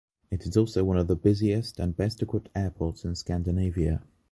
It is also one of the busiest and best equipped airports in Scandinavia.